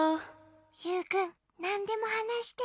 ユウくんなんでもはなして。